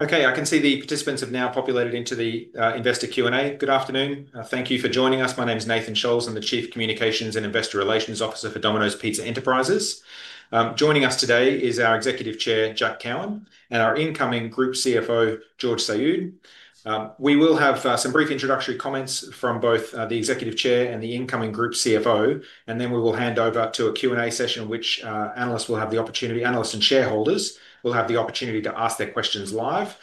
Okay, I can see the participants have now populated into the investor Q&A. Good afternoon. Thank you for joining us. My name is Nathan Scholz. I'm the Chief Communications and Investor Relations Officer for Domino's Pizza Enterprises. Joining us today is our Executive Chair, Jack Cowin, and our incoming Group CFO, George Saoud. We will have some brief introductory comments from both the Executive Chair and the incoming Group CFO, and then we will hand over to a Q&A session in which analysts will have the opportunity—analysts and shareholders will have the opportunity to ask their questions live.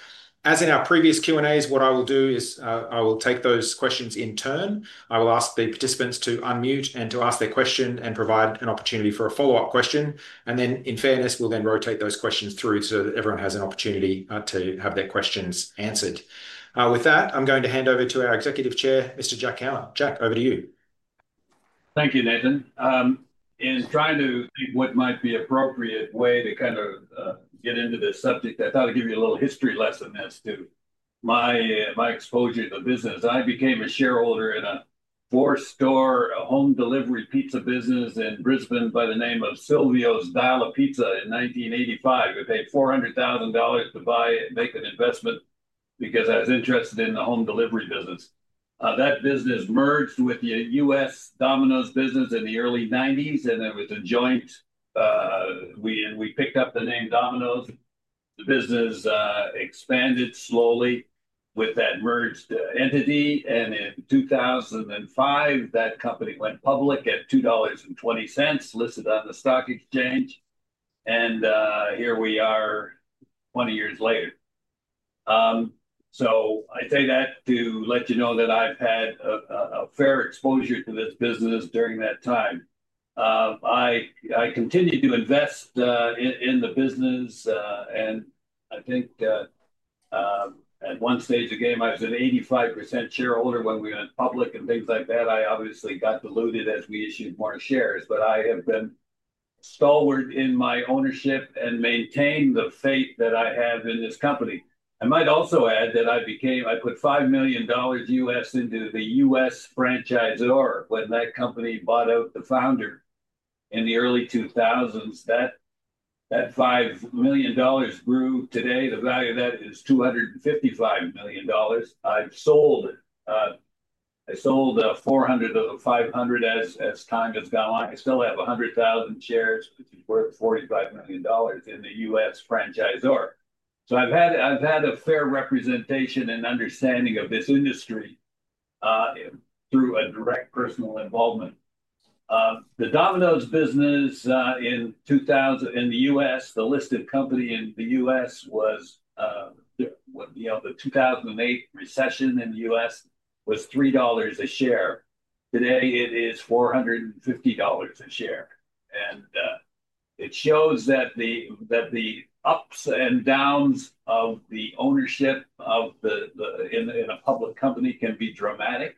As in our previous Q&As, what I will do is I will take those questions in turn. I will ask the participants to unmute and to ask their question and provide an opportunity for a follow-up question. In fairness, we'll then rotate those questions through so that everyone has an opportunity to have their questions answered. With that, I'm going to hand over to our Executive Chair, Mr. Jack Cowin. Jack, over to you. Thank you, Nathan. In trying to think what might be an appropriate way to kind of get into this subject, I thought I'd give you a little history lesson as to my exposure to the business. I became a shareholder in a four-store home delivery pizza business in Brisbane by the name of Silvio's Dial-a-Pizza in 1985. We paid 400,000 dollars to buy it, make an investment because I was interested in the home delivery business. That business merged with the U.S. Domino's business in the early 1990s, and it was a joint—we picked up the name Domino's. The business expanded slowly with that merged entity, and in 2005, that company went public at $2.20, listed on the stock exchange. Here we are 20 years later. I say that to let you know that I've had a fair exposure to this business during that time. I continue to invest in the business, and I think at one stage of the game, I was an 85% shareholder when we went public and things like that. I obviously got diluted as we issued more shares, but I have been stalwart in my ownership and maintained the faith that I have in this company. I might also add that I put $5 million U.S. into the U.S. franchisor when that company bought out the founder in the early 2000s. That $5 million grew today. The value of that is $255 million. I sold 400,000 of the 500,000 as time has gone on. I still have 100,000 shares, which is worth $45 million in the U.S. franchisor. So I've had a fair representation and understanding of this industry through a direct personal involvement. The Domino's business in the U.S., the listed company in the U.S., was—the 2008 recession in the U.S. was $3 a share. Today, it is $450 a share. It shows that the ups and downs of the ownership in a public company can be dramatic.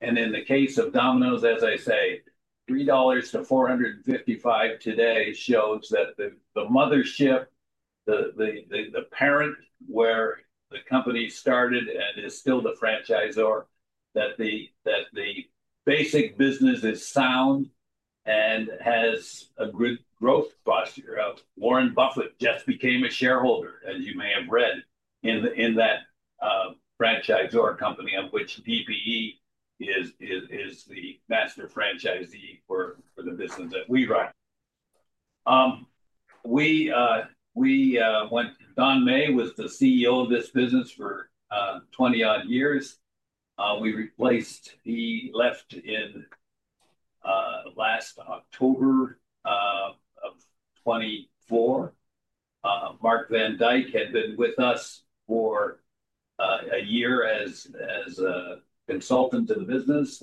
In the case of Domino's, as I say, $3 to $455 today shows that the mothership, the parent where the company started and is still the franchisor, that the basic business is sound and has a good growth posture. Warren Buffett just became a shareholder, as you may have read, in that franchisor company of which DPE is the master franchisee for the business that we run. Don Meij was the CEO of this business for 20-odd years. We replaced—he left last October of 2024. Mark van Dyck had been with us for a year as a consultant to the business.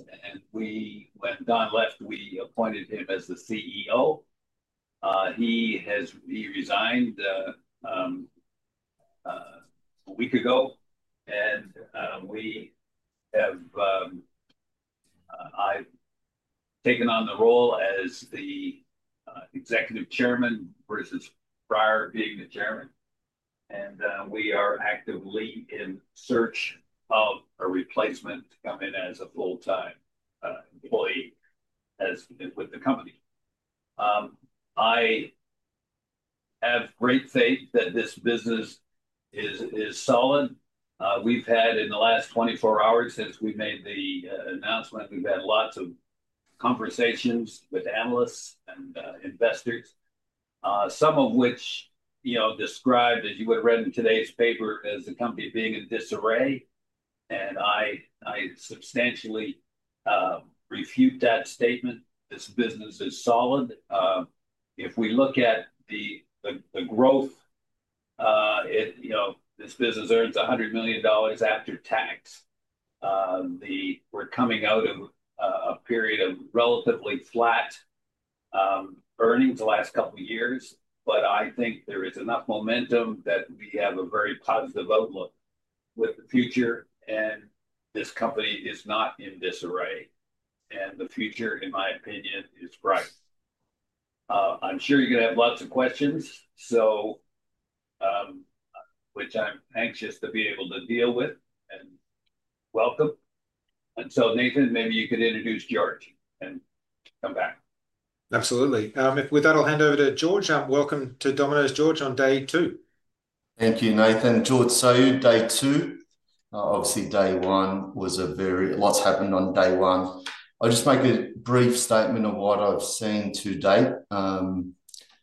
When Don left, we appointed him as the CEO. He resigned a week ago, and I've taken on the role as the Executive Chairman versus prior being the Chairman. We are actively in search of a replacement to come in as a full-time employee with the company. I have great faith that this business is solid. We've had, in the last 24 hours since we made the announcement, lots of conversations with analysts and investors, some of which described, as you would have read in today's paper, the company as being in disarray. I substantially refute that statement. This business is solid. If we look at the growth, this business earns $100 million after tax. We're coming out of a period of relatively flat earnings the last couple of years, but I think there is enough momentum that we have a very positive outlook with the future, and this company is not in disarray. The future, in my opinion, is bright. I'm sure you're going to have lots of questions, which I'm anxious to be able to deal with and welcome. Nathan, maybe you could introduce George and come back. Absolutely. With that, I'll hand over to George. Welcome to Domino's, George, on day two. Thank you, Nathan. George Saoud, day two. Obviously, day one was a very—lots happened on day one. I'll just make a brief statement of what I've seen to date.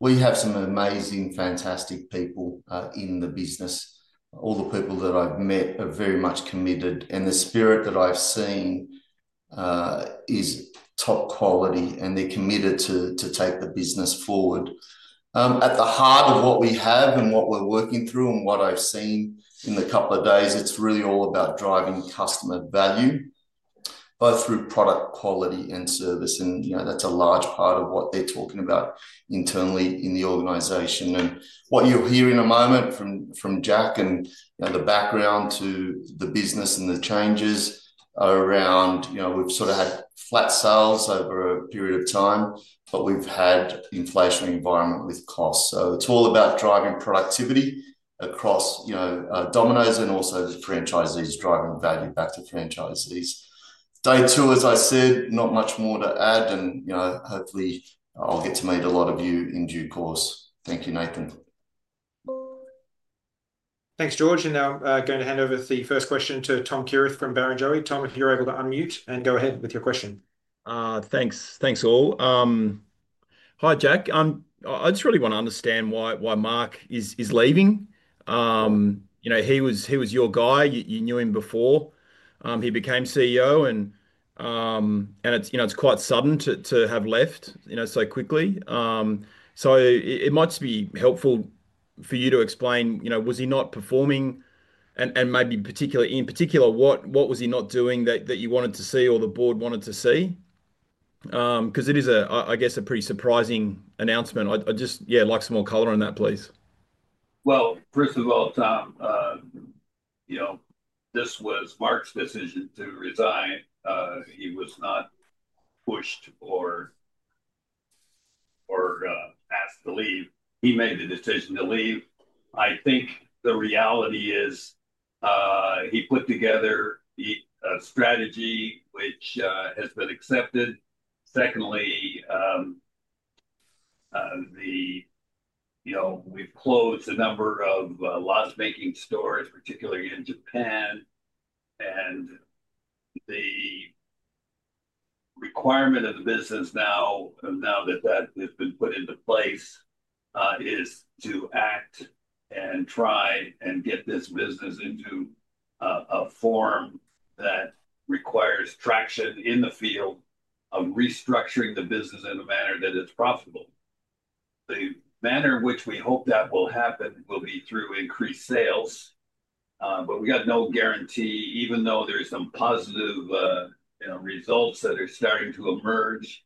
We have some amazing, fantastic people in the business. All the people that I've met are very much committed, and the spirit that I've seen is top quality, and they're committed to take the business forward. At the heart of what we have and what we're working through and what I've seen in the couple of days, it's really all about driving customer value both through product quality and service. That's a large part of what they're talking about internally in the organization. What you'll hear in a moment from Jack and the background to the business and the changes around, we've sort of had flat sales over a period of time, but we've had an inflationary environment with costs. It is all about driving productivity across Domino's and also the franchisees, driving value back to franchisees. Day two, as I said, not much more to add. Hopefully, I'll get to meet a lot of you in due course. Thank you, Nathan. Thanks, George. Now I'm going to hand over the first question to Tom Kierath from Barrenjoey. Tom, if you're able to unmute and go ahead with your question. Thanks. Thanks all. Hi, Jack. I just really want to understand why Mark is leaving. He was your guy. You knew him before. He became CEO, and it's quite sudden to have left so quickly. It might just be helpful for you to explain, was he not performing? Maybe in particular, what was he not doing that you wanted to see or the board wanted to see? It is, I guess, a pretty surprising announcement. I'd just, yeah, like some more color on that, please. First of all, this was Mark's decision to resign. He was not pushed or asked to leave. He made the decision to leave. I think the reality is he put together a strategy which has been accepted. Secondly, we've closed a number of lot-making stores, particularly in Japan. The requirement of the business now, now that that has been put into place, is to act and try and get this business into a form that requires traction in the field of restructuring the business in a manner that is profitable. The manner in which we hope that will happen will be through increased sales. We got no guarantee, even though there are some positive results that are starting to emerge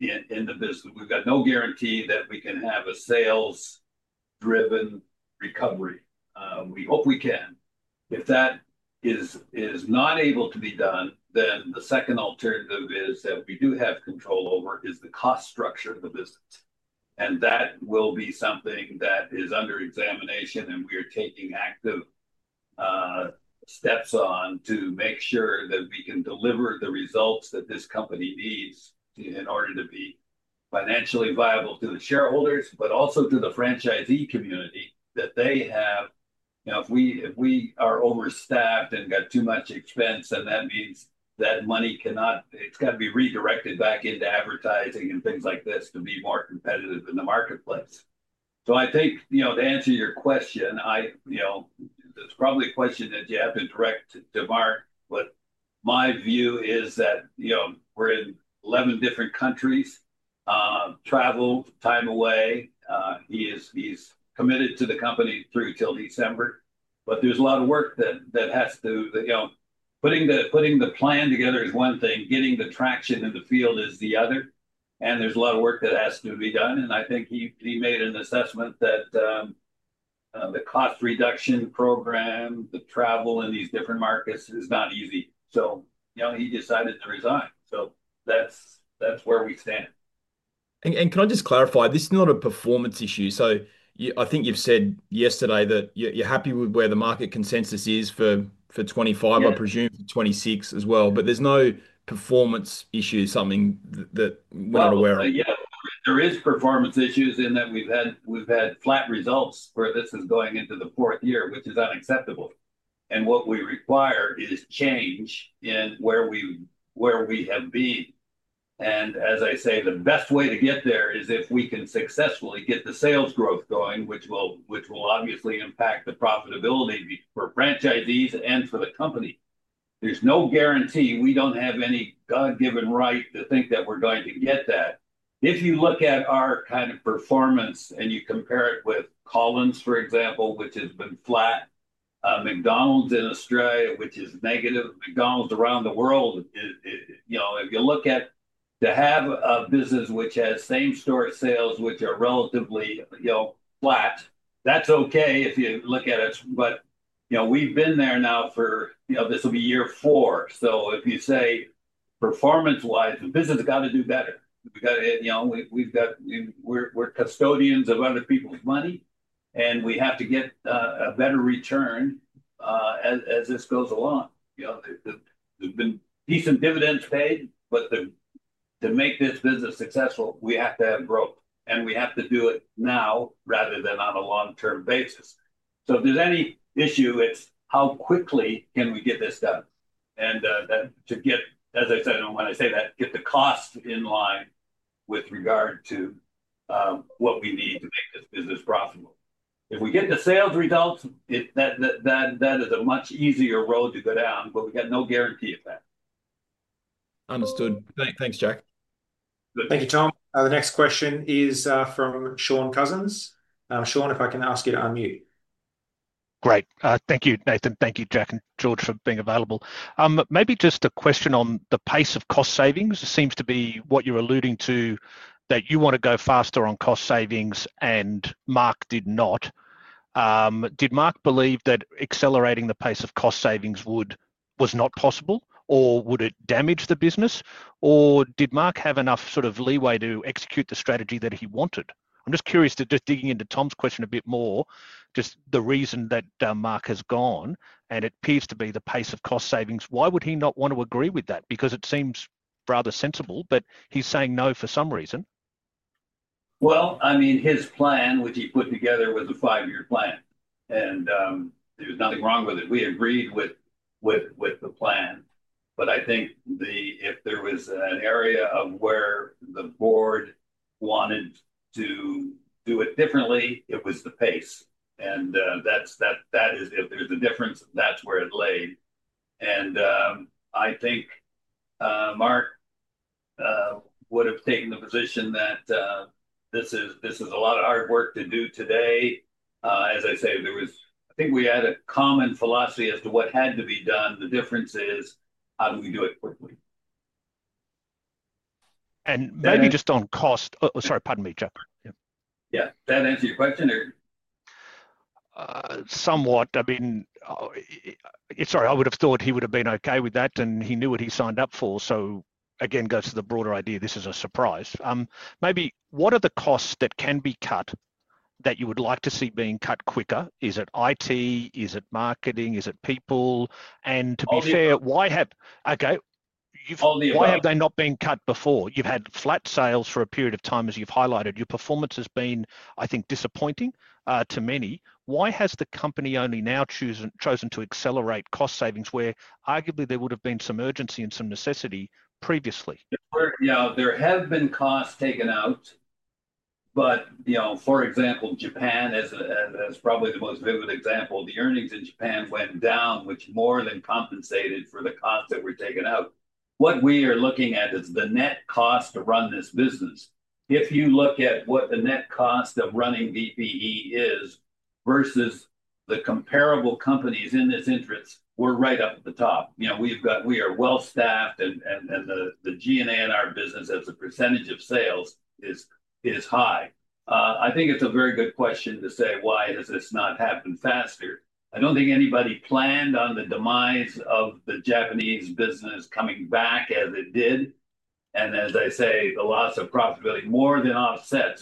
in the business. We've got no guarantee that we can have a sales-driven recovery. We hope we can. If that is not able to be done, the second alternative that we do have control over is the cost structure of the business. That will be something that is under examination, and we are taking active steps on to make sure that we can deliver the results that this company needs in order to be financially viable to the shareholders, but also to the franchisee community that they have. If we are overstaffed and got too much expense, that means that money cannot—it's got to be redirected back into advertising and things like this to be more competitive in the marketplace. I think to answer your question, there's probably a question that you have to direct to Mark, but my view is that we're in 11 different countries, travel time away. He's committed to the company through till December. There is a lot of work that has to—putting the plan together is one thing. Getting the traction in the field is the other. There is a lot of work that has to be done. I think he made an assessment that the cost reduction program, the travel in these different markets is not easy. He decided to resign. That is where we stand. Can I just clarify? This is not a performance issue. I think you said yesterday that you're happy with where the market consensus is for 2025, I presume 2026 as well. There is no performance issue, something that we're not aware of. Yeah. There are performance issues in that we've had flat results for this is going into the fourth year, which is unacceptable. What we require is change in where we have been. As I say, the best way to get there is if we can successfully get the sales growth going, which will obviously impact the profitability for franchisees and for the company. There's no guarantee. We don't have any God-given right to think that we're going to get that. If you look at our kind of performance and you compare it with Collins, for example, which has been flat, McDonald's in Australia, which is negative, McDonald's around the world, if you look at to have a business which has same-store sales, which are relatively flat, that's okay if you look at it. We've been there now for—this will be year four. If you say performance-wise, the business has got to do better. We are custodians of other people's money, and we have to get a better return as this goes along. There have been decent dividends paid, but to make this business successful, we have to have growth. We have to do it now rather than on a long-term basis. If there is any issue, it is how quickly can we get this done? To get, as I said, when I say that, get the cost in line with regard to what we need to make this business profitable. If we get the sales results, that is a much easier road to go down, but we have no guarantee of that. Understood. Thanks, Jack. Thank you, Tom. The next question is from Sean Cousins. Sean, if I can ask you to unmute. Great. Thank you, Nathan. Thank you, Jack and George, for being available. Maybe just a question on the pace of cost savings. It seems to be what you're alluding to that you want to go faster on cost savings, and Mark did not. Did Mark believe that accelerating the pace of cost savings was not possible, or would it damage the business? Or did Mark have enough sort of leeway to execute the strategy that he wanted? I'm just curious, just digging into Tom's question a bit more, just the reason that Mark has gone, and it appears to be the pace of cost savings. Why would he not want to agree with that? Because it seems rather sensible, but he's saying no for some reason. I mean, his plan, which he put together, was a five-year plan. There was nothing wrong with it. We agreed with the plan. If there was an area of where the board wanted to do it differently, it was the pace. If there's a difference, that's where it lay. I think Mark would have taken the position that this is a lot of hard work to do today. As I say, I think we had a common philosophy as to what had to be done. The difference is how do we do it quickly? Maybe just on cost. Sorry, pardon me, Jack. Yeah. That answer your question? Somewhat. I mean, sorry, I would have thought he would have been okay with that, and he knew what he signed up for. Again, goes to the broader idea, this is a surprise. Maybe what are the costs that can be cut that you would like to see being cut quicker? Is it IT? Is it marketing? Is it people? To be fair, why have—okay. Only if. Why have they not been cut before? You've had flat sales for a period of time, as you've highlighted. Your performance has been, I think, disappointing to many. Why has the company only now chosen to accelerate cost savings where arguably there would have been some urgency and some necessity previously? Yeah. There have been costs taken out. For example, Japan, as probably the most vivid example, the earnings in Japan went down, which more than compensated for the costs that were taken out. What we are looking at is the net cost to run this business. If you look at what the net cost of running DPE is versus the comparable companies in this interest, we're right up at the top. We are well-staffed, and the G&A in our business, as a percentage of sales, is high. I think it's a very good question to say, "Why has this not happened faster?" I do not think anybody planned on the demise of the Japanese business coming back as it did. As I say, the loss of profitability more than offset.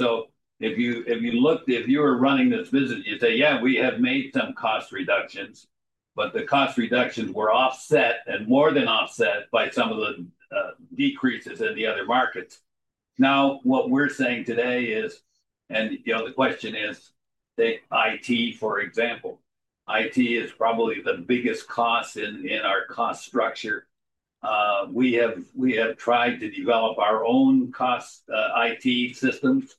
If you looked, if you were running this business, you'd say, "Yeah, we have made some cost reductions," but the cost reductions were offset and more than offset by some of the decreases in the other markets. Now, what we're saying today is, and the question is, take IT, for example. IT is probably the biggest cost in our cost structure. We have tried to develop our own cost IT systems.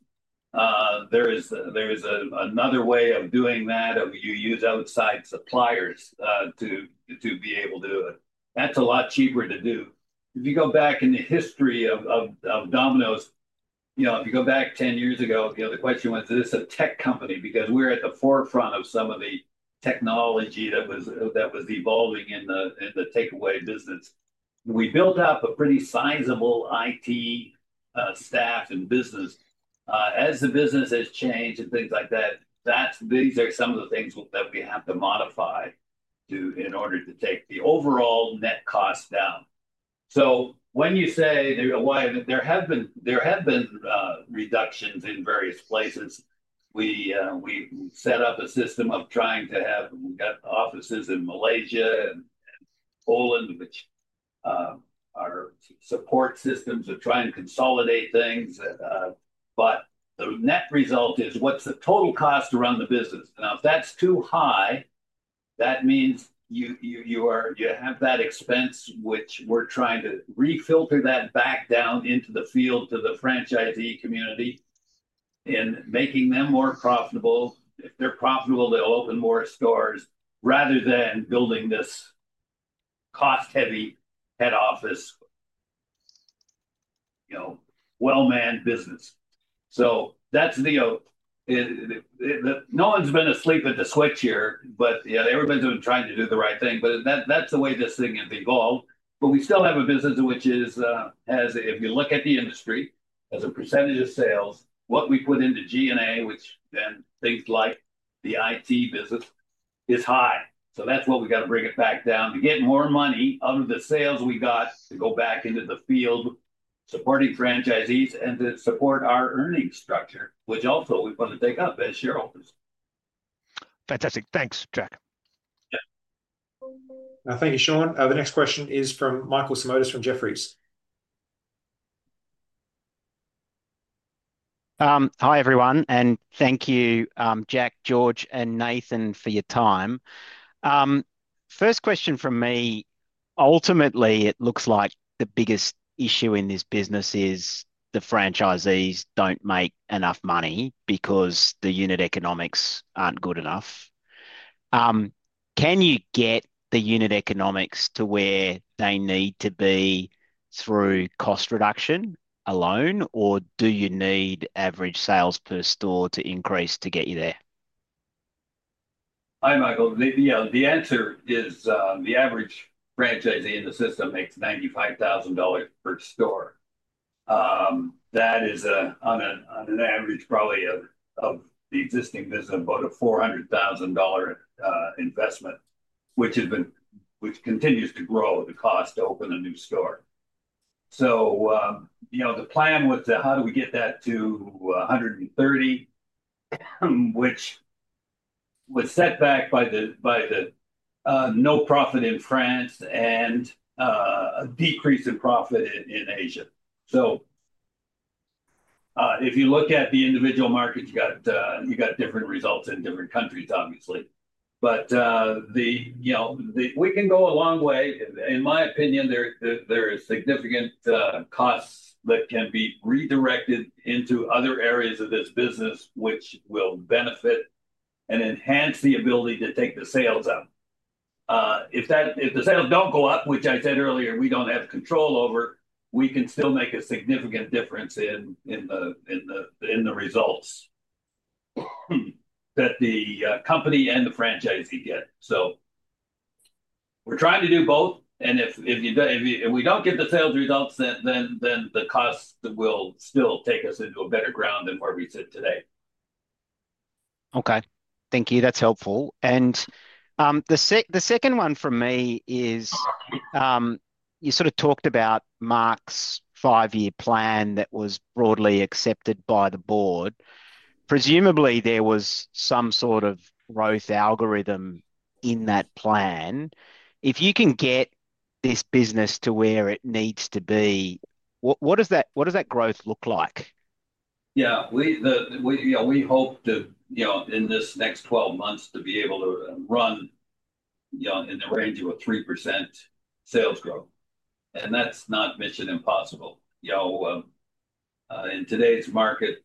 There is another way of doing that if you use outside suppliers to be able to do it. That's a lot cheaper to do. If you go back in the history of Domino's, if you go back 10 years ago, the question was, "Is this a tech company?" Because we're at the forefront of some of the technology that was evolving in the takeaway business. We built up a pretty sizable IT staff and business. As the business has changed and things like that, these are some of the things that we have to modify in order to take the overall net cost down. When you say there have been reductions in various places, we set up a system of trying to have—we have offices in Malaysia and Poland, which are support systems to try and consolidate things. The net result is, what is the total cost around the business? Now, if that is too high, that means you have that expense, which we are trying to refilter back down into the field to the franchisee community and making them more profitable. If they are profitable, they will open more stores rather than building this cost-heavy head office well-manned business. That is the oath. No one has been asleep at the switch here, but everybody has been trying to do the right thing. That's the way this thing has evolved. We still have a business which is, if you look at the industry, as a percentage of sales, what we put into G&A, which then things like the IT business is high. That's why we got to bring it back down to get more money out of the sales. We got to go back into the field supporting franchisees and to support our earnings structure, which also we're going to take up as shareholders. Fantastic. Thanks, Jack. Yeah. Thank you, Sean. The next question is from Michael Simotas from Jefferies. Hi, everyone. Thank you, Jack, George, and Nathan for your time. First question from me, ultimately, it looks like the biggest issue in this business is the franchisees do not make enough money because the unit economics are not good enough. Can you get the unit economics to where they need to be through cost reduction alone, or do you need average sales per store to increase to get you there? Hi, Michael. The answer is the average franchisee in the system makes $95,000 per store. That is, on an average, probably of the existing business, about a $400,000 investment, which continues to grow the cost to open a new store. The plan was to, how do we get that to $130,000 which was set back by the no profit in France and a decrease in profit in Asia. If you look at the individual markets, you got different results in different countries, obviously. We can go a long way. In my opinion, there are significant costs that can be redirected into other areas of this business, which will benefit and enhance the ability to take the sales up. If the sales don't go up, which I said earlier, we don't have control over, we can still make a significant difference in the results that the company and the franchisee get. We are trying to do both. If we don't get the sales results, then the cost will still take us into a better ground than where we sit today. Okay. Thank you. That's helpful. The second one for me is you sort of talked about Mark's five-year plan that was broadly accepted by the board. Presumably, there was some sort of growth algorithm in that plan. If you can get this business to where it needs to be, what does that growth look like? Yeah. We hope in this next 12 months to be able to run in the range of a 3% sales growth. And that's not mission impossible. In today's market,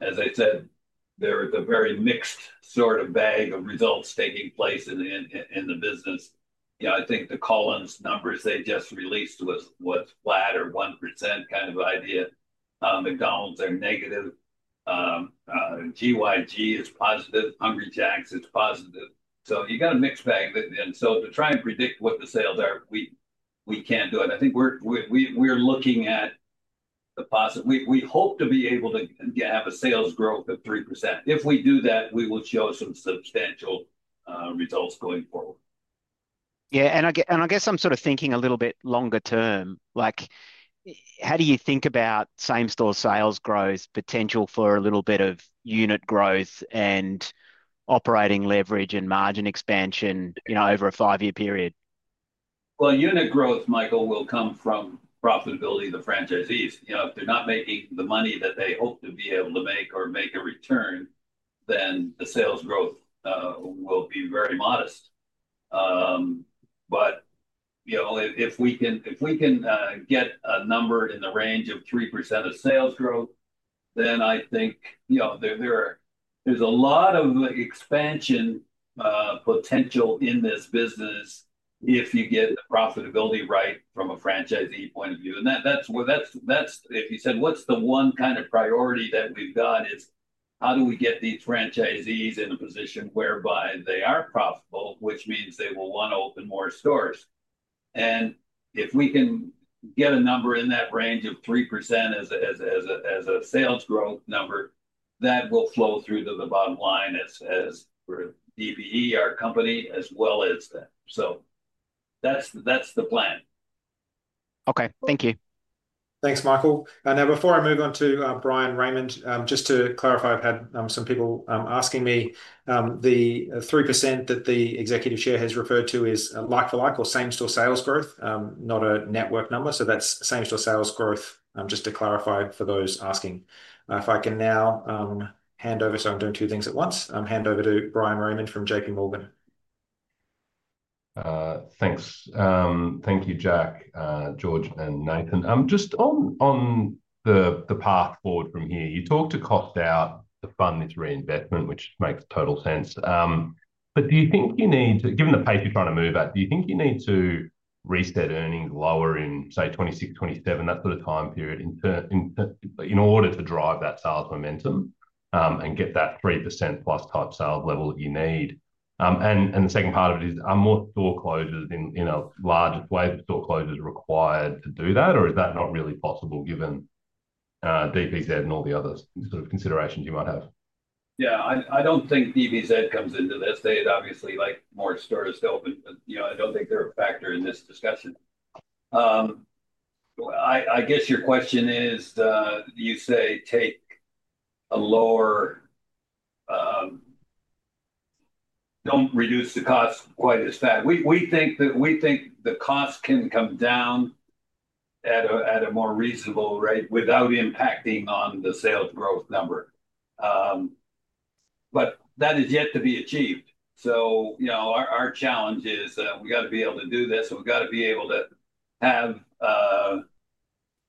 as I said, there is a very mixed sort of bag of results taking place in the business. I think the Collins numbers they just released was flat or 1% kind of idea. McDonald's are negative. GYG is positive. Hungry Jack's is positive. So you got a mixed bag. And so to try and predict what the sales are, we can't do it. I think we're looking at the possible—we hope to be able to have a sales growth of 3%. If we do that, we will show some substantial results going forward. Yeah. I guess I'm sort of thinking a little bit longer term. How do you think about same-store sales growth, potential for a little bit of unit growth and operating leverage and margin expansion over a five-year period? Unit growth, Michael, will come from profitability of the franchisees. If they're not making the money that they hope to be able to make or make a return, then the sales growth will be very modest. If we can get a number in the range of 3% of sales growth, then I think there's a lot of expansion potential in this business if you get the profitability right from a franchisee point of view. If you said, "What's the one kind of priority that we've got?" it is how do we get these franchisees in a position whereby they are profitable, which means they will want to open more stores. If we can get a number in that range of 3% as a sales growth number, that will flow through to the bottom line as for DPE, our company, as well as them. That's the plan. Okay. Thank you. Thanks, Michael. Now, before I move on to Bryan Raymond, just to clarify, I've had some people asking me. The 3% that the Executive Chair has referred to is like-for-like or same-store sales growth, not a network number. So that's same-store sales growth, just to clarify for those asking. If I can now hand over—so I'm doing two things at once—hand over to Bryan Raymond from JPMorgan. Thanks. Thank you, Jack, George, and Nathan. Just on the path forward from here, you talked to cost out the fund that's reinvestment, which makes total sense. Do you think you need to—given the pace you're trying to move at—do you think you need to reset earnings lower in, say, 2026, 2027, that sort of time period in order to drive that sales momentum and get that 3% plus type sales level that you need? The second part of it is, are more store closures in a larger wave of store closures required to do that, or is that not really possible given DPZ and all the other sort of considerations you might have? Yeah. I do not think DPZ comes into this. They obviously like more stores to open. I do not think they are a factor in this discussion. I guess your question is, you say, "Take a lower—do not reduce the cost quite as fat." We think the cost can come down at a more reasonable rate without impacting on the sales growth number. That is yet to be achieved. Our challenge is we got to be able to do this, and we got to be able to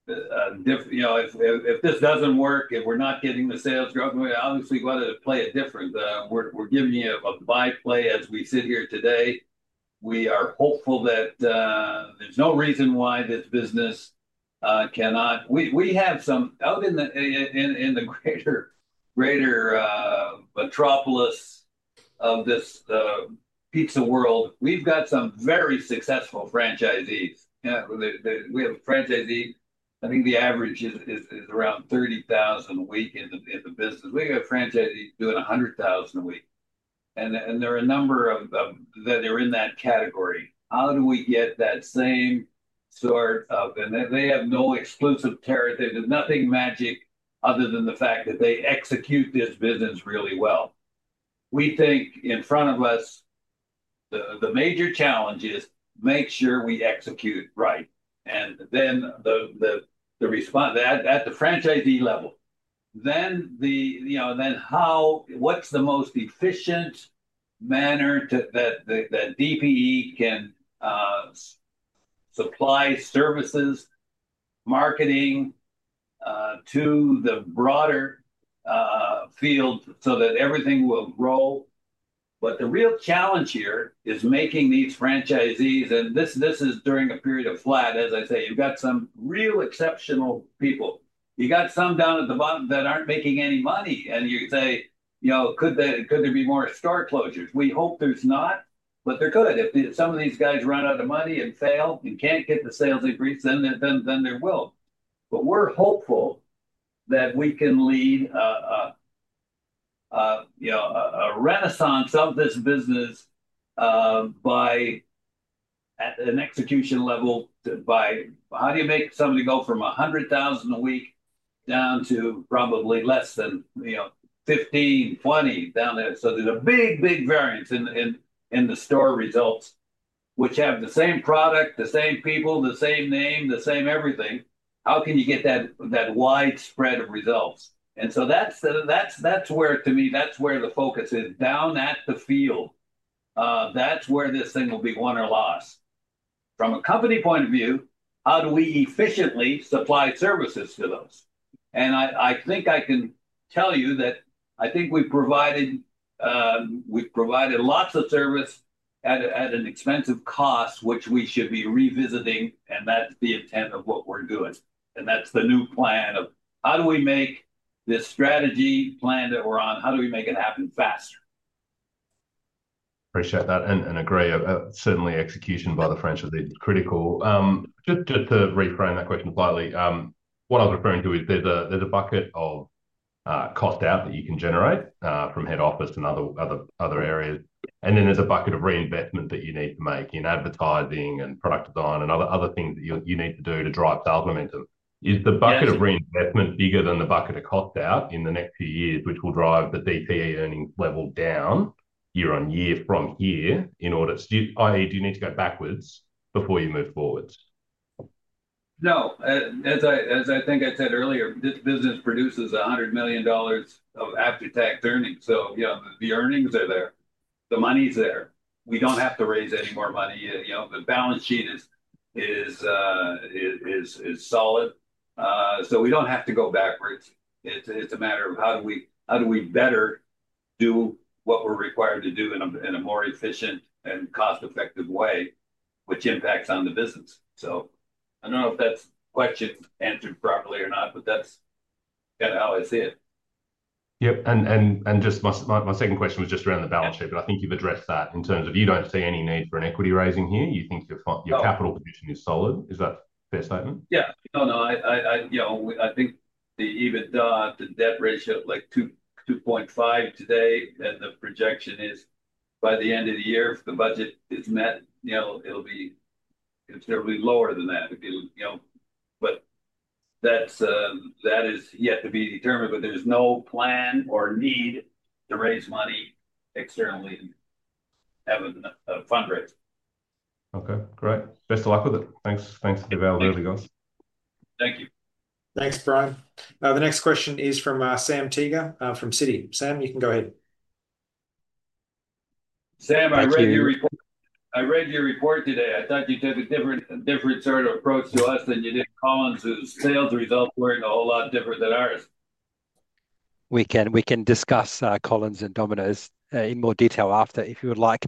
have—if this does not work, if we are not getting the sales growth, we obviously got to play a different—we are giving you a buy play as we sit here today. We are hopeful that there is no reason why this business cannot—we have some out in the greater metropolis of this pizza world. We have got some very successful franchisees. We have a franchisee. I think the average is around $30,000 a week in the business. We have a franchisee doing $100,000 a week, and there are a number of—they're in that category. How do we get that same sort of—and they have no exclusive territory. There's nothing magic other than the fact that they execute this business really well. We think in front of us, the major challenge is make sure we execute right. The response at the franchisee level, then, what's the most efficient manner that DPE can supply services, marketing to the broader field so that everything will grow? The real challenge here is making these franchisees—and this is during a period of flat, as I say, you've got some real exceptional people. You got some down at the bottom that aren't making any money. You say, "Could there be more store closures?" We hope there's not, but there could. If some of these guys run out of money and fail and can't get the sales increase, then there will. We're hopeful that we can lead a renaissance of this business at an execution level by—how do you make somebody go from $100,000 a week down to probably less than $15,000-$20,000 down there? There's a big, big variance in the store results, which have the same product, the same people, the same name, the same everything. How can you get that widespread of results? To me, that's where the focus is down at the field. That's where this thing will be won or lost. From a company point of view, how do we efficiently supply services to those? I think I can tell you that I think we've provided lots of service at an expensive cost, which we should be revisiting. That is the intent of what we're doing. That is the new plan of how do we make this strategy plan that we're on? How do we make it happen faster? Appreciate that. I agree. Certainly, execution by the franchisee is critical. Just to reframe that question slightly, what I was referring to is there's a bucket of cost out that you can generate from head office and other areas. Then there's a bucket of reinvestment that you need to make in advertising and product design and other things that you need to do to drive sales momentum. Is the bucket of reinvestment bigger than the bucket of cost out in the next few years, which will drive the DPE earnings level down year on year from here in order—i.e., do you need to go backwards before you move forwards? No. As I think I said earlier, this business produces $100 million of after-tax earnings. So the earnings are there. The money's there. We don't have to raise any more money. The balance sheet is solid. So we don't have to go backwards. It's a matter of how do we better do what we're required to do in a more efficient and cost-effective way, which impacts on the business. I don't know if that's a question answered properly or not, but that's kind of how I see it. Yep. Just my second question was just around the balance sheet, but I think you've addressed that in terms of you don't see any need for an equity raising here. You think your capital position is solid. Is that a fair statement? Yeah. No, no. I think the EBITDA, the debt ratio is like 2.5 today. The projection is by the end of the year, if the budget is met, it'll be considerably lower than that. That is yet to be determined. There's no plan or need to raise money externally and have a fundraiser. Okay. Great. Best of luck with it. Thanks for the availability, guys. Thank you. Thanks, Bryan. Now, the next question is from Sam Teeger from Citi. Sam, you can go ahead. Sam, I read your report today. I thought you took a different sort of approach to us than you did Collins, whose sales results were not a whole lot different than ours. We can discuss Collins Foods and Domino's in more detail after, if you would like.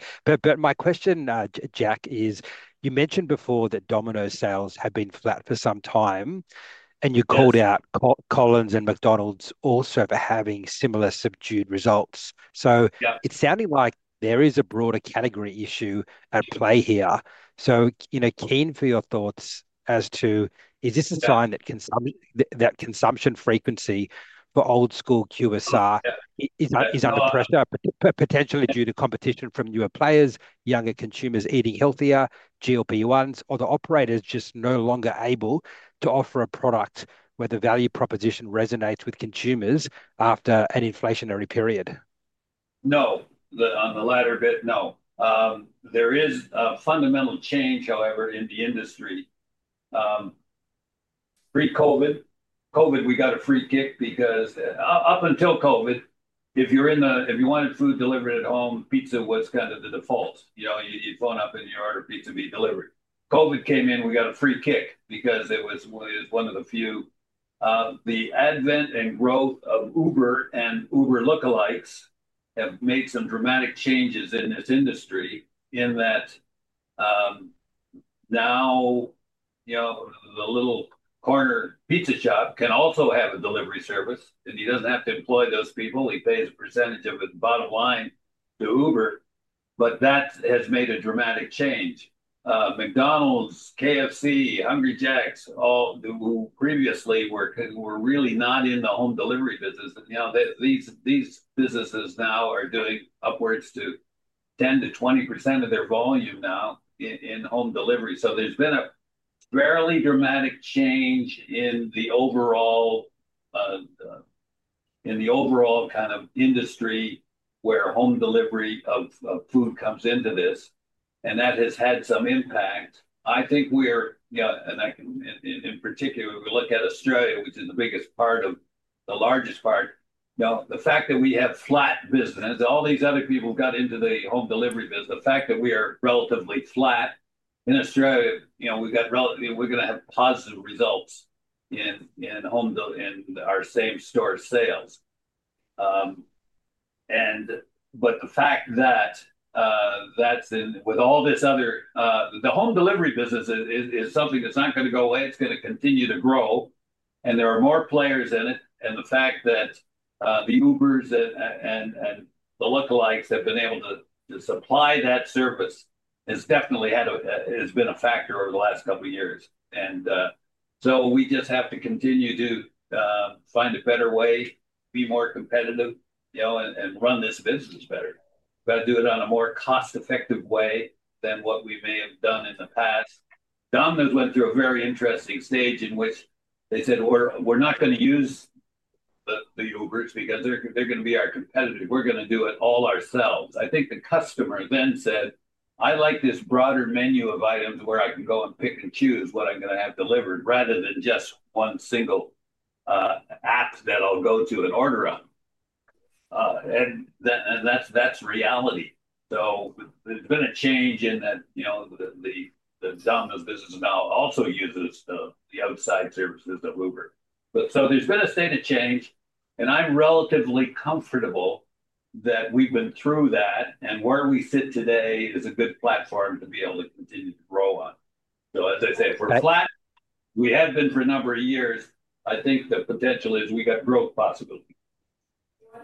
My question, Jack, is you mentioned before that Domino's sales have been flat for some time, and you called out Collins Foods and McDonald's also for having similar subdued results. It is sounding like there is a broader category issue at play here. I am keen for your thoughts as to, is this a sign that consumption frequency for old-school QSR is under pressure, potentially due to competition from newer players, younger consumers eating healthier, GLP-1s, or the operators just no longer able to offer a product where the value proposition resonates with consumers after an inflationary period? No. On the latter bit, no. There is a fundamental change, however, in the industry. Pre-COVID, COVID, we got a free kick because up until COVID, if you wanted food delivered at home, pizza was kind of the default. You phone up and you order pizza to be delivered. COVID came in, we got a free kick because it was one of the few. The advent and growth of Uber and Uber lookalikes have made some dramatic changes in this industry in that now the little corner pizza shop can also have a delivery service. He does not have to employ those people. He pays a percentage of his bottom line to Uber. That has made a dramatic change. McDonald's, KFC, Hungry Jack's, all who previously were really not in the home delivery business, these businesses now are doing upwards to 10-20% of their volume now in home delivery. There has been a fairly dramatic change in the overall kind of industry where home delivery of food comes into this. That has had some impact. I think we're—and in particular, we look at Australia, which is the biggest part of the largest part. The fact that we have flat business, all these other people got into the home delivery business, the fact that we are relatively flat in Australia, we're going to have positive results in our same-store sales. The fact that with all this other, the home delivery business is something that's not going to go away. It's going to continue to grow. There are more players in it. The fact that the Ubers and the lookalikes have been able to supply that service has definitely been a factor over the last couple of years. We just have to continue to find a better way, be more competitive, and run this business better. Got to do it on a more cost-effective way than what we may have done in the past. Domino's went through a very interesting stage in which they said, "We're not going to use the Ubers because they're going to be our competitor. We're going to do it all ourselves." I think the customer then said, "I like this broader menu of items where I can go and pick and choose what I'm going to have delivered rather than just one single app that I'll go to and order on." That's reality. There's been a change in that the Domino's business now also uses the outside services of Uber. There's been a state of change. I'm relatively comfortable that we've been through that. Where we sit today is a good platform to be able to continue to grow on. As I say, if we're flat, we have been for a number of years, I think the potential is we got growth possibility.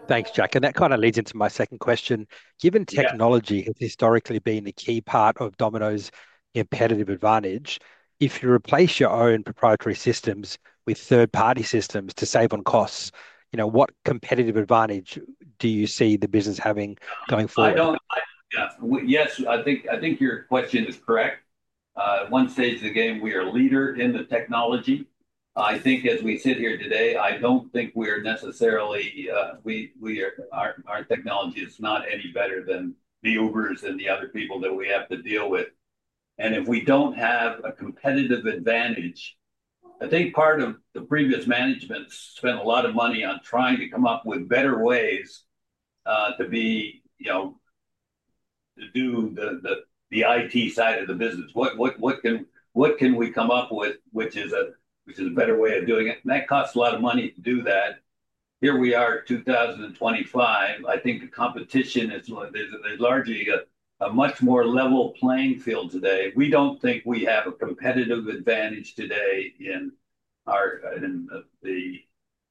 Thanks, Jack. That kind of leads into my second question. Given technology has historically been the key part of Domino's competitive advantage, if you replace your own proprietary systems with third-party systems to save on costs, what competitive advantage do you see the business having going forward? Yes. I think your question is correct. At one stage of the game, we were a leader in the technology. I think as we sit here today, I do not think we are necessarily—our technology is not any better than the Ubers and the other people that we have to deal with. If we do not have a competitive advantage, I think part of the previous management spent a lot of money on trying to come up with better ways to do the IT side of the business. What can we come up with, which is a better way of doing it? That costs a lot of money to do that. Here we are in 2025. I think the competition is largely a much more level playing field today. We don't think we have a competitive advantage today in the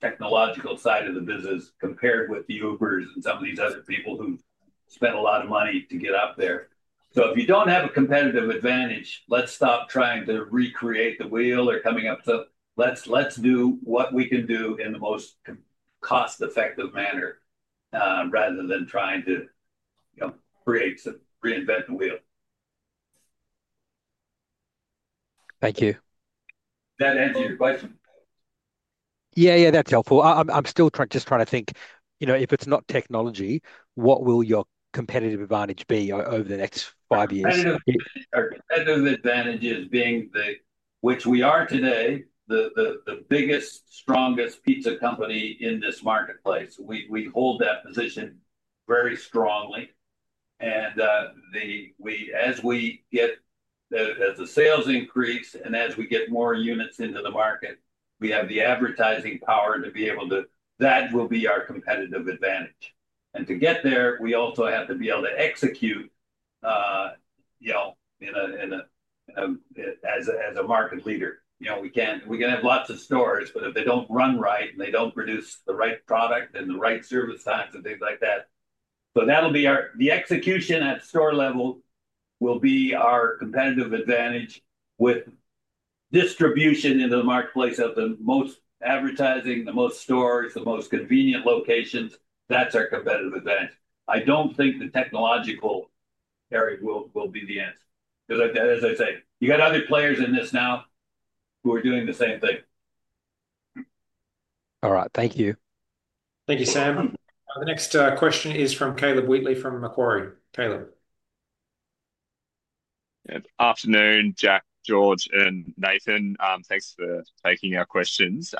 technological side of the business compared with the Ubers and some of these other people who spent a lot of money to get up there. If you don't have a competitive advantage, let's stop trying to recreate the wheel or coming up. Let's do what we can do in the most cost-effective manner rather than trying to reinvent the wheel. Thank you. Does that answer your question? Yeah, yeah. That's helpful. I'm still just trying to think, if it's not technology, what will your competitive advantage be over the next five years? Competitive advantage is being the, which we are today, the biggest, strongest pizza company in this marketplace. We hold that position very strongly. As the sales increase and as we get more units into the market, we have the advertising power to be able to, that will be our competitive advantage. To get there, we also have to be able to execute as a market leader. We can have lots of stores, but if they do not run right and they do not produce the right product and the right service times and things like that, that will be our, the execution at store level will be our competitive advantage with distribution into the marketplace of the most advertising, the most stores, the most convenient locations. That is our competitive advantage. I do not think the technological area will be the answer. As I say, you got other players in this now who are doing the same thing. All right. Thank you. Thank you, Sam. The next question is from Caleb Wheatley from Macquarie. Caleb. Good afternoon, Jack, George, and Nathan. Thanks for taking our questions.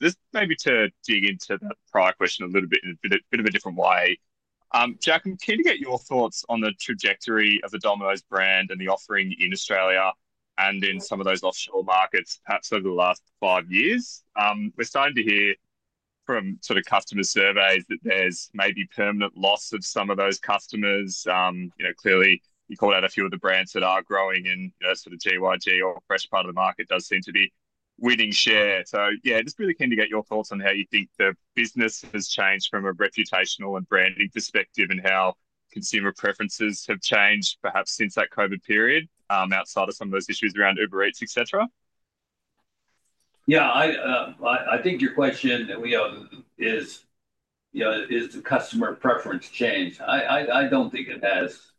This may be to dig into the prior question a little bit in a bit of a different way. Jack, I'm keen to get your thoughts on the trajectory of the Domino's brand and the offering in Australia and in some of those offshore markets, perhaps over the last five years. We're starting to hear from sort of customer surveys that there's maybe permanent loss of some of those customers. Clearly, you call out a few of the brands that are growing in sort of GYG or Fresh part of the market does seem to be winning share. Yeah, just really keen to get your thoughts on how you think the business has changed from a reputational and branding perspective and how consumer preferences have changed perhaps since that COVID period outside of some of those issues around Uber Eats, etc. Yeah. I think your question is, is the customer preference changed? I don't think it has.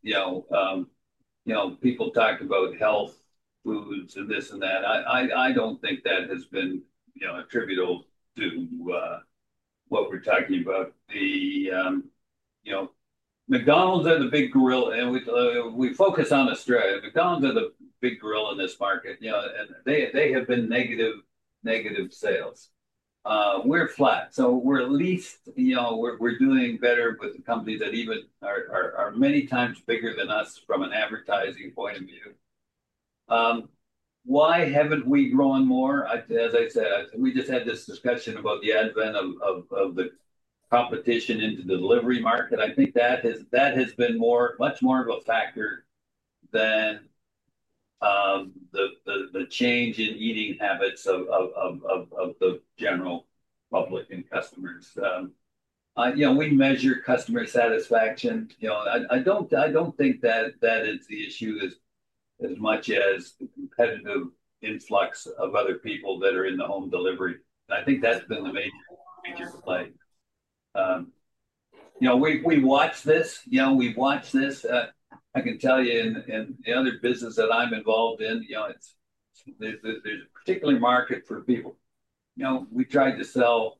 People talk about health, foods, and this and that. I don't think that has been attributable to what we're talking about. McDonald's are the big gorilla. We focus on Australia. McDonald's are the big gorilla in this market. They have been negative sales. We're flat. We are at least—we're doing better with the companies that even are many times bigger than us from an advertising point of view. Why haven't we grown more? As I said, we just had this discussion about the advent of the competition into the delivery market. I think that has been much more of a factor than the change in eating habits of the general public and customers. We measure customer satisfaction. I don't think that is the issue as much as the competitive influx of other people that are in the home delivery. I think that's been the major play. We watch this. We watch this. I can tell you in the other business that I'm involved in, there's a particular market for people. We tried to sell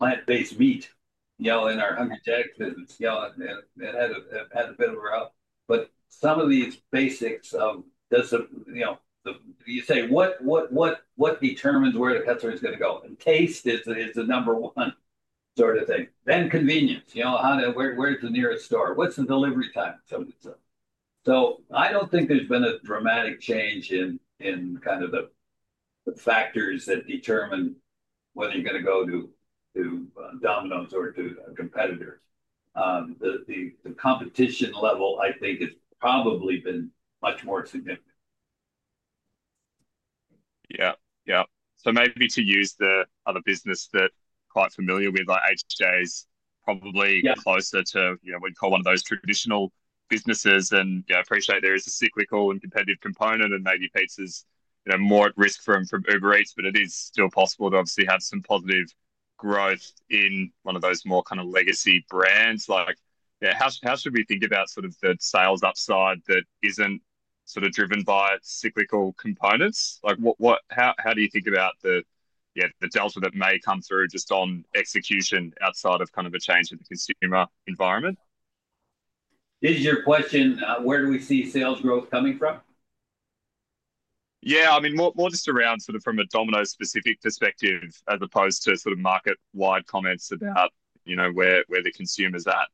plant-based meat in our Hungry Jack's business. It had a bit of a rough. But some of these basics of—you say, what determines where the customer is going to go? And taste is the number one sort of thing. Then convenience. Where's the nearest store? What's the delivery time? I don't think there's been a dramatic change in kind of the factors that determine whether you're going to go to Domino's or to a competitor. The competition level, I think, has probably been much more significant. Yeah. Yeah. Maybe to use the other business that I'm quite familiar with, like Hungry Jack's, probably closer to what we'd call one of those traditional businesses. Yeah, I appreciate there is a cyclical and competitive component, and maybe pizza's more at risk from Uber Eats, but it is still possible to obviously have some positive growth in one of those more kind of legacy brands. How should we think about sort of the sales upside that isn't driven by cyclical components? How do you think about the delta that may come through just on execution outside of kind of a change in the consumer environment? Is your question, where do we see sales growth coming from? Yeah. I mean, more just around sort of from a Domino's specific perspective as opposed to sort of market-wide comments about where the consumer's at.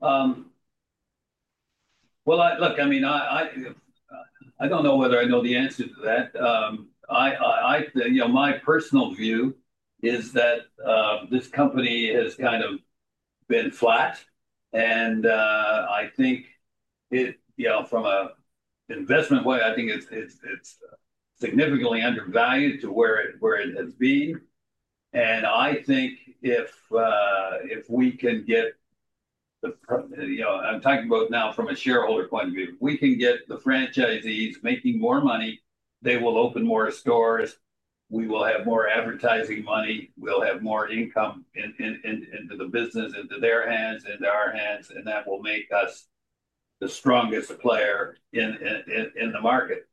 I mean, I don't know whether I know the answer to that. My personal view is that this company has kind of been flat. I think from an investment way, I think it's significantly undervalued to where it has been. I think if we can get the—I'm talking about now from a shareholder point of view. If we can get the franchisees making more money, they will open more stores. We will have more advertising money. We'll have more income into the business, into their hands, into our hands. That will make us the strongest player in the market.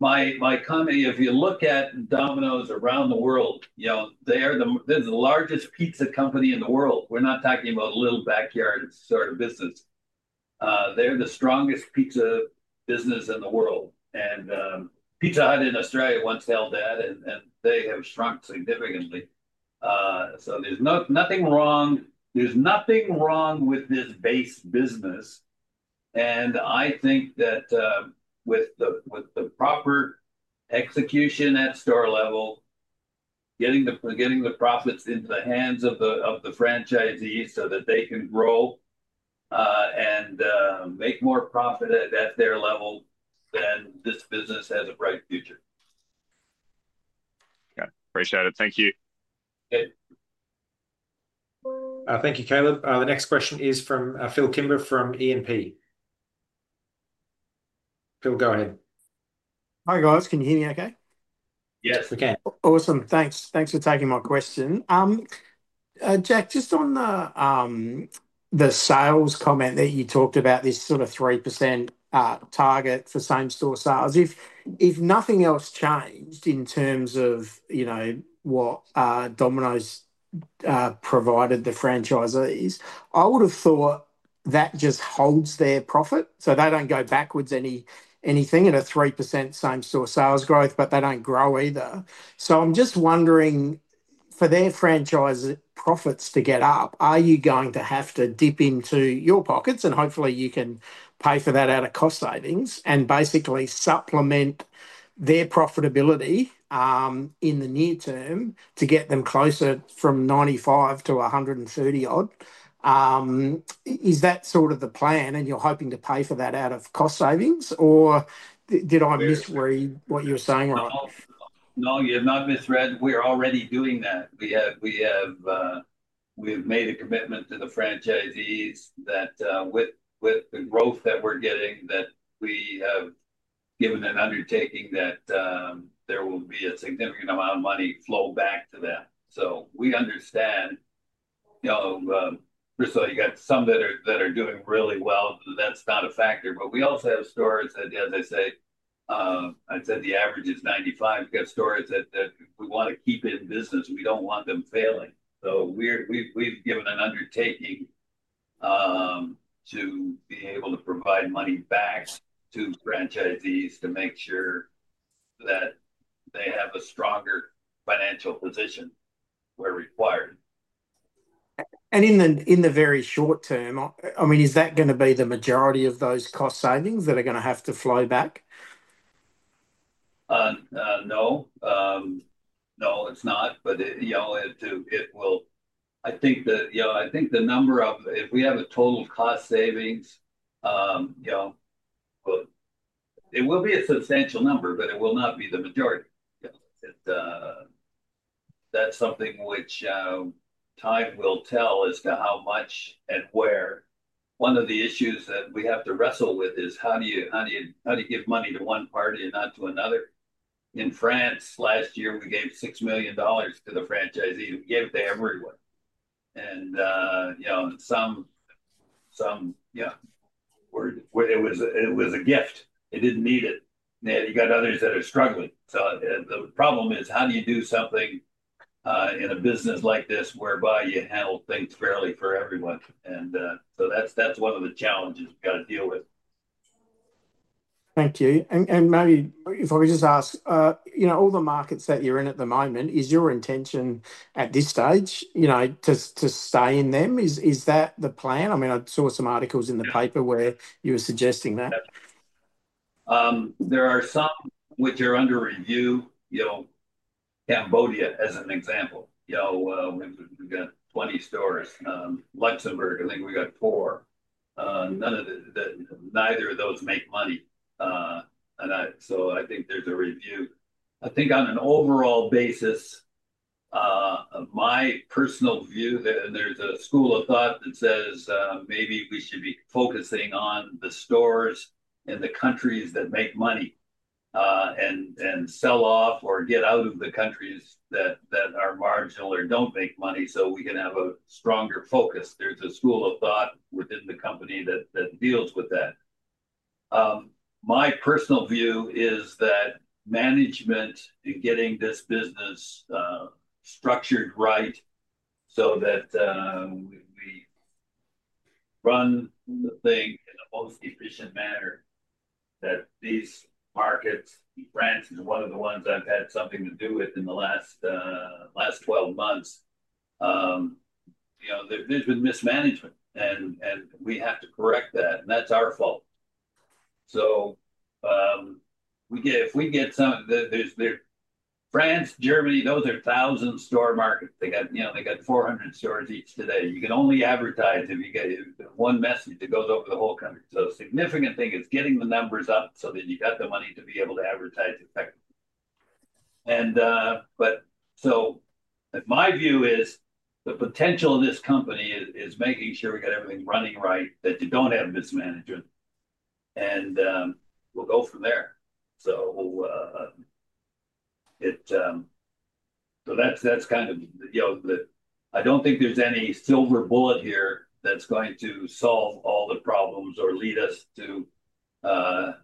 My comment, if you look at Domino's around the world, they're the largest pizza company in the world. We're not talking about a little backyard sort of business. They're the strongest pizza business in the world. Pizza Hut in Australia once held that, and they have shrunk significantly. There is nothing wrong. There is nothing wrong with this base business. I think that with the proper execution at store level, getting the profits into the hands of the franchisees so that they can grow and make more profit at their level, this business has a bright future. Okay. Appreciate it. Thank you. Thank you, Caleb. The next question is from Phil Kimber from E&P. Phil, go ahead. Hi, guys. Can you hear me okay? Yes, we can. Awesome. Thanks. Thanks for taking my question. Jack, just on the sales comment that you talked about, this sort of 3% target for same-store sales, if nothing else changed in terms of what Domino's provided the franchisees, I would have thought that just holds their profit. They do not go backwards anything at a 3% same-store sales growth, but they do not grow either. I am just wondering, for their franchise profits to get up, are you going to have to dip into your pockets? Hopefully, you can pay for that out of cost savings and basically supplement their profitability in the near term to get them closer from $95,000-$130,000 odd. Is that sort of the plan? You are hoping to pay for that out of cost savings, or did I misread what you were saying? No, you have not misread. We're already doing that. We have made a commitment to the franchisees that with the growth that we're getting, that we have given an undertaking that there will be a significant amount of money flow back to them. We understand. First of all, you got some that are doing really well. That's not a factor. We also have stores, as I said, I'd say the average is 95. We have stores that we want to keep in business. We do not want them failing. We have given an undertaking to be able to provide money back to franchisees to make sure that they have a stronger financial position where required. In the very short term, I mean, is that going to be the majority of those cost savings that are going to have to flow back? No. No, it's not. It will, I think the number of if we have a total cost savings, it will be a substantial number, but it will not be the majority. That is something which time will tell as to how much and where. One of the issues that we have to wrestle with is how do you give money to one party and not to another? In France, last year, we gave $6 million to the franchisees. We gave it to everyone. Some were, it was a gift. They did not need it. You got others that are struggling. The problem is, how do you do something in a business like this whereby you handle things fairly for everyone? That is one of the challenges we have got to deal with. Thank you. Maybe if I was just to ask, all the markets that you're in at the moment, is your intention at this stage to stay in them? Is that the plan? I mean, I saw some articles in the paper where you were suggesting that. There are some which are under review. Cambodia, as an example. We've got 20 stores. Luxembourg, I think we've got four. Neither of those make money. I think there's a review. I think on an overall basis, my personal view, there's a school of thought that says maybe we should be focusing on the stores in the countries that make money and sell off or get out of the countries that are marginal or don't make money so we can have a stronger focus. There's a school of thought within the company that deals with that. My personal view is that management and getting this business structured right so that we run the thing in the most efficient manner that these markets—France is one of the ones I've had something to do with in the last 12 months—there's been mismanagement. We have to correct that. That is our fault. If we get some—France, Germany, those are thousand-store markets. They have 400 stores each today. You can only advertise if you get one message that goes over the whole country. A significant thing is getting the numbers up so that you have the money to be able to advertise effectively. My view is the potential of this company is making sure we have everything running right, that you do not have mismanagement. We will go from there. That is kind of the—I do not think there is any silver bullet here that is going to solve all the problems or lead us to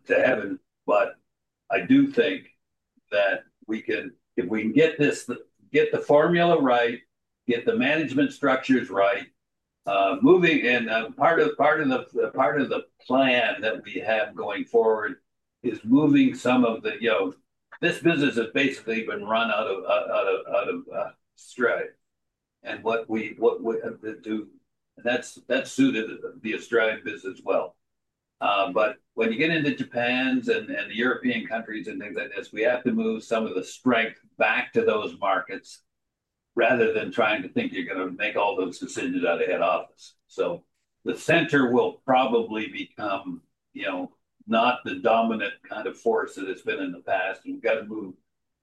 heaven. I do think that if we can get the formula right, get the management structures right, moving—and part of the plan that we have going forward is moving some of the—this business has basically been run out of stride. What we have to do—and that's suited to the Australian business as well. When you get into Japan and the European countries and things like this, we have to move some of the strength back to those markets rather than trying to think you're going to make all those decisions out of head office. The center will probably become not the dominant kind of force that it's been in the past. We've got to move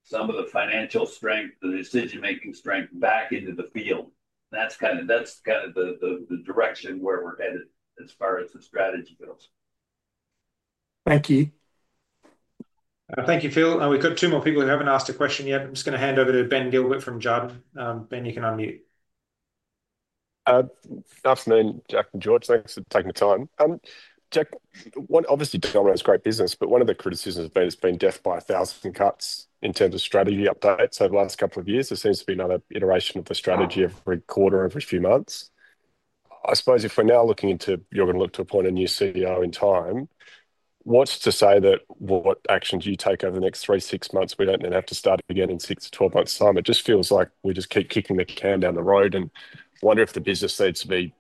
some of the financial strength, the decision-making strength back into the field. That's kind of the direction where we're headed as far as the strategy goes. Thank you. Thank you, Phil. We've got two more people who haven't asked a question yet. I'm just going to hand over to Ben Gilbert from Jarden. Ben, you can unmute. Good afternoon, Jack and George. Thanks for taking the time. Jack, obviously, Domino's is a great business, but one of the criticisms has been it's been dealt by a thousand cuts in terms of strategy updates over the last couple of years. There seems to be another iteration of the strategy every quarter or every few months. I suppose if we're now looking into—you're going to look to appoint a new CEO in time—what's to say that what actions you take over the next three, six months, we don't then have to start again in six to twelve months' time? It just feels like we just keep kicking the can down the road and wonder if the business needs to be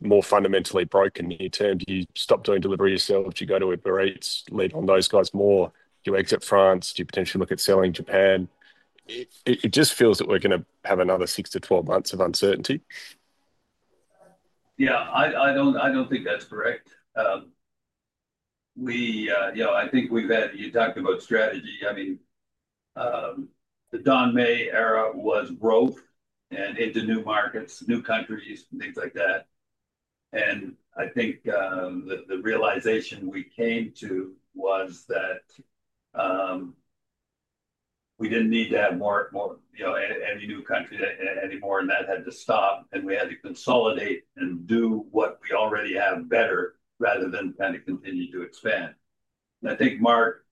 more fundamentally broken near term. Do you stop doing delivery yourself? Do you go to Uber Eats, lean on those guys more? Do you exit France? Do you potentially look at selling Japan? It just feels that we're going to have another six to twelve months of uncertainty. Yeah. I do not think that is correct. I think we have had—you talked about strategy. I mean, the Don Meij era was growth and into new markets, new countries, and things like that. I think the realization we came to was that we did not need to have any new country anymore, and that had to stop. We had to consolidate and do what we already have better rather than kind of continue to expand. I think Mark's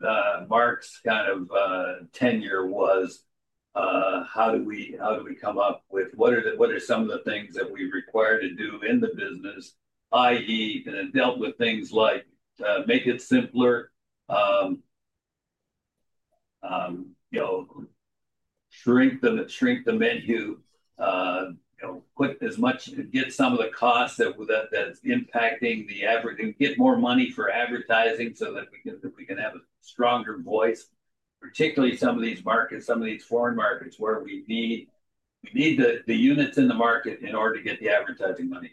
kind of tenure was, how do we come up with what are some of the things that we require to do in the business, i.e., dealt with things like make it simpler, shrink the menu, put as much—get some of the costs that's impacting the average, and get more money for advertising so that we can have a stronger voice, particularly some of these markets, some of these foreign markets where we need the units in the market in order to get the advertising money.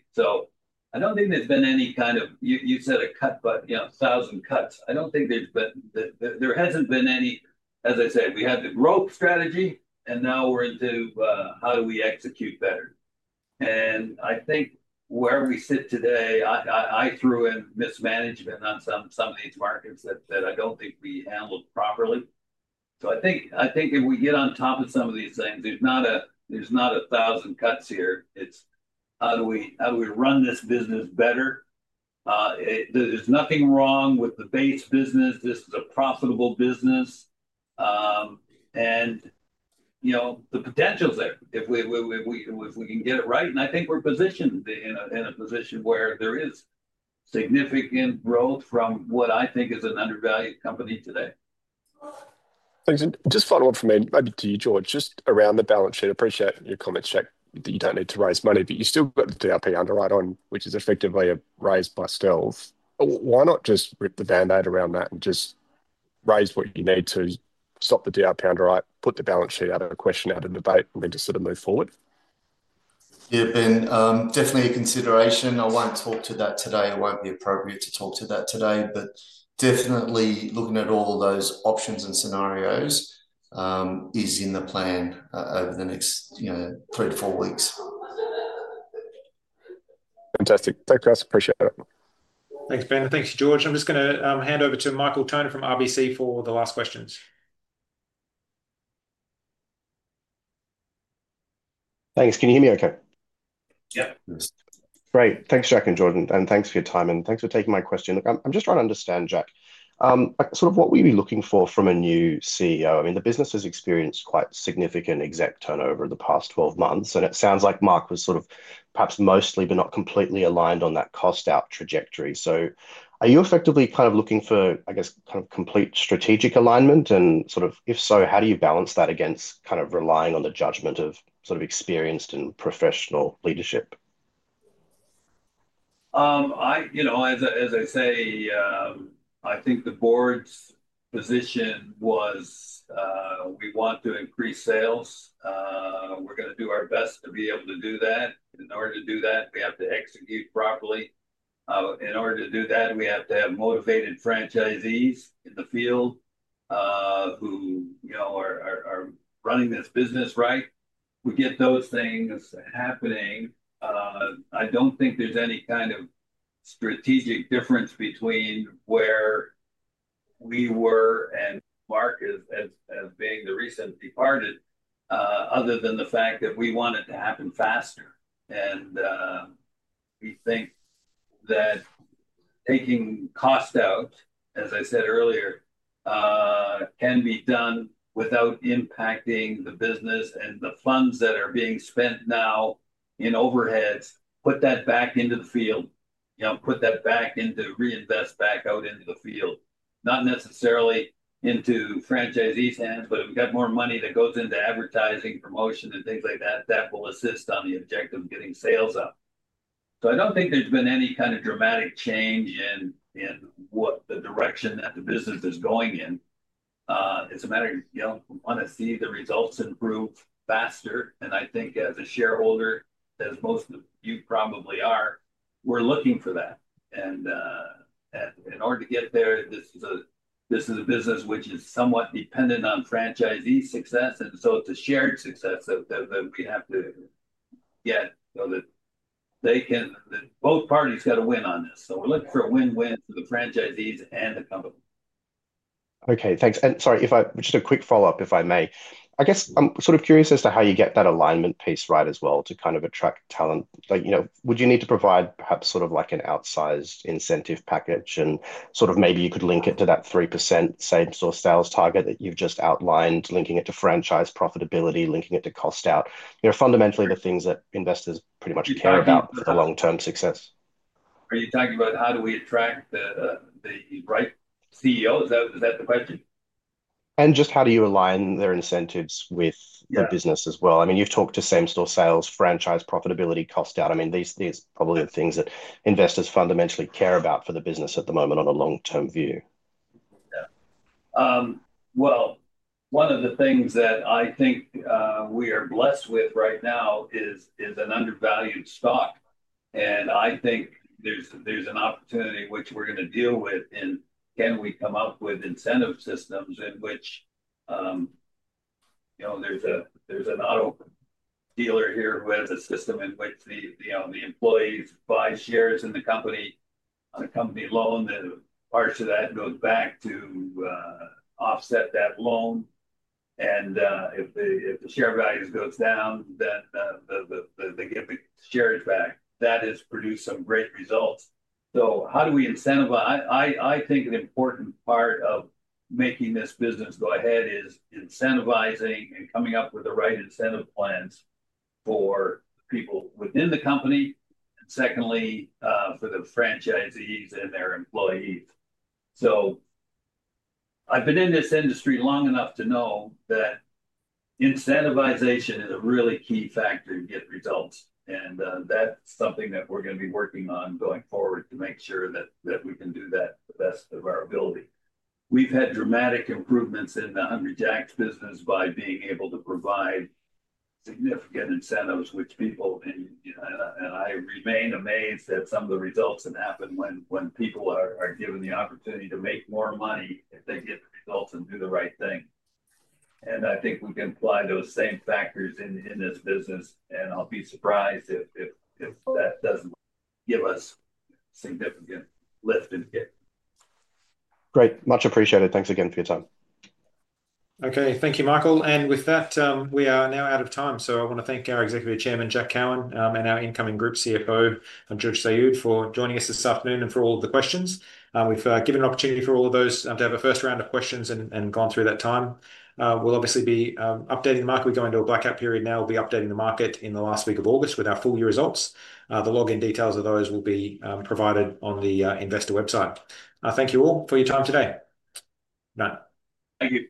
I don't think there's been any kind of—you said a cut, but a thousand cuts. I don't think there's been—there hasn't been any, as I said, we had the growth strategy, and now we're into, how do we execute better? I think where we sit today, I threw in mismanagement on some of these markets that I do not think we handled properly. I think if we get on top of some of these things, there is not a thousand cuts here. It is how do we run this business better? There is nothing wrong with the base business. This is a profitable business. The potential is there if we can get it right. I think we are positioned in a position where there is significant growth from what I think is an undervalued company today. Thanks. Just follow up from maybe to you, George, just around the balance sheet. Appreciate your comments, Jack, that you do not need to raise money, but you still got the DRP underwrite on, which is effectively a raise by stove. Why not just rip the band-aid around that and just raise what you need to stop the DRP underwrite, put the balance sheet out of the question, out of the debate, and then just sort of move forward? Yeah, Ben, definitely a consideration. I won't talk to that today. It won't be appropriate to talk to that today. Definitely looking at all of those options and scenarios is in the plan over the next three to four weeks. Fantastic. Thanks, guys. Appreciate it. Thanks, Ben. Thanks, George. I'm just going to hand over to Michael Toner from RBC for the last questions. Thanks. Can you hear me okay? Yep. Great. Thanks, Jack and Jordan. Thanks for your time. Thanks for taking my question. Look, I'm just trying to understand, Jack, sort of what were you looking for from a new CEO? I mean, the business has experienced quite significant exec turnover in the past 12 months. It sounds like Mark was sort of perhaps mostly, but not completely aligned on that cost-out trajectory. Are you effectively kind of looking for, I guess, kind of complete strategic alignment? If so, how do you balance that against kind of relying on the judgment of sort of experienced and professional leadership? As I say, I think the board's position was we want to increase sales. We're going to do our best to be able to do that. In order to do that, we have to execute properly. In order to do that, we have to have motivated franchisees in the field who are running this business right. We get those things happening. I don't think there's any kind of strategic difference between where we were and Mark as being the recent departed, other than the fact that we want it to happen faster. We think that taking cost out, as I said earlier, can be done without impacting the business and the funds that are being spent now in overheads, put that back into the field, put that back into reinvest back out into the field, not necessarily into franchisees' hands. If we've got more money that goes into advertising, promotion, and things like that, that will assist on the objective of getting sales up. I don't think there's been any kind of dramatic change in what the direction that the business is going in. It's a matter of wanting to see the results improve faster. I think as a shareholder, as most of you probably are, we're looking for that. In order to get there, this is a business which is somewhat dependent on franchisee success. It's a shared success that we have to get so that both parties got to win on this. We're looking for a win-win for the franchisees and the company. Okay. Thanks. Sorry, just a quick follow-up, if I may. I guess I'm sort of curious as to how you get that alignment piece right as well to kind of attract talent. Would you need to provide perhaps sort of like an outsized incentive package? Maybe you could link it to that 3% same-store sales target that you've just outlined, linking it to franchise profitability, linking it to cost out. Fundamentally, the things that investors pretty much care about for the long-term success. Are you talking about how do we attract the right CEOs? Is that the question? How do you align their incentives with the business as well? I mean, you've talked to same-store sales, franchise profitability, cost out. I mean, these are probably the things that investors fundamentally care about for the business at the moment on a long-term view. Yeah. One of the things that I think we are blessed with right now is an undervalued stock. I think there's an opportunity which we're going to deal with in can we come up with incentive systems in which there's an auto dealer here who has a system in which the employees buy shares in the company on a company loan. Parts of that go back to offset that loan. If the share value goes down, then they get the shares back. That has produced some great results. How do we incentivize? I think an important part of making this business go ahead is incentivizing and coming up with the right incentive plans for people within the company. Secondly, for the franchisees and their employees. I've been in this industry long enough to know that incentivization is a really key factor to get results. That is something that we are going to be working on going forward to make sure that we can do that to the best of our ability. We have had dramatic improvements in the unreject business by being able to provide significant incentives, which people—and I remain amazed at some of the results that happen when people are given the opportunity to make more money if they get the results and do the right thing. I think we can apply those same factors in this business. I will be surprised if that does not give us a significant lift and kick. Great. Much appreciated. Thanks again for your time. Okay. Thank you, Michael. With that, we are now out of time. I want to thank our Executive Chairman, Jack Cowin, and our incoming Group CFO, George Saoud, for joining us this afternoon and for all of the questions. We've given an opportunity for all of those to have a first round of questions and gone through that time. We'll obviously be updating the market. We're going into a blackout period now. We'll be updating the market in the last week of August with our full year results. The login details of those will be provided on the investor website. Thank you all for your time today. None. Thank you.